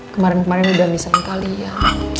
kemarin kemarin udah misalnya kalian